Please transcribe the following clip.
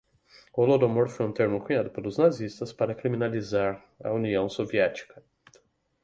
O holodomor foi um termo cunhado pelos nazistas para criminalizar a União Soviética